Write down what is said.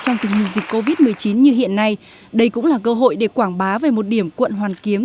trong thời gian covid một mươi chín như hiện nay đây cũng là cơ hội để quảng bá về một điểm quận hoàn kiếm